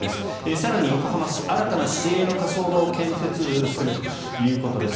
更に横浜市新たな市営の火葬場を建設するということです。